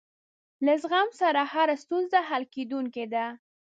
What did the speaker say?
له زغم سره هره ستونزه حل کېدونکې ده.